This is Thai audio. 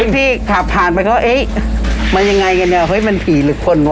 พี่ขับผ่านไปก็เอ๊ะมันยังไงกันเนี่ยเฮ้ยมันผีหรือคนวะ